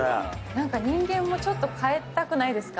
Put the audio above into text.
何か人間もちょっと変えたくないですか？